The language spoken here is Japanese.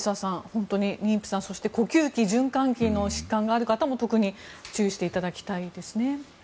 本当に妊婦さんそして呼吸器、循環器の疾患がある方も特に注意していただきたいですね。